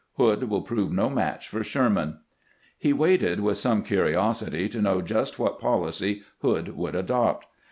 Hood will prove no match for Sherman." He waited with some curiosity to know just what policy Hood would adopt.